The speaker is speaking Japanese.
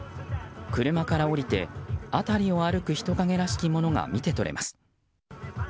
車から降りて、辺りを歩く人影らしきものが見て取れます。